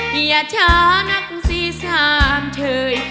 อย่าช้านักสีสามเฉย